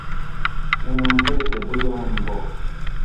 منون پے تھہ بُجاوون بو°